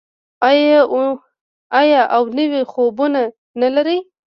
آیا او نوي خوبونه نلري؟